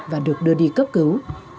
và được đưa đi cấp cứu